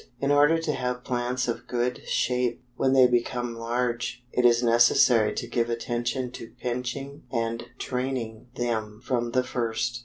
In order to have plants of good shape when they become large, it is necessary to give attention to pinching and training them from the first.